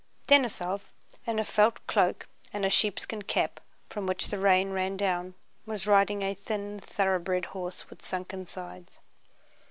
Denísov in a felt cloak and a sheepskin cap from which the rain ran down was riding a thin thoroughbred horse with sunken sides.